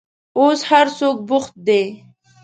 اوس هر څوک بوخت دي.